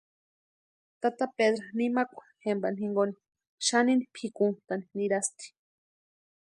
Tata Pedru nimakwa jempani jinkoni xanini pʼikuntʼani nirasti.